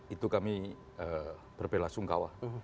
itu kami berbela sungkawa